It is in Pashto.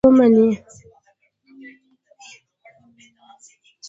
غوښتنې خدای ومني.